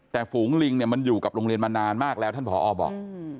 แต่ฝูงลิงเนี่ยมันอยู่กับโรงเรียนมานานมากแล้วท่านผอบอก